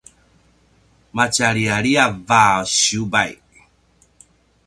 matjaliyaliyav a siyubay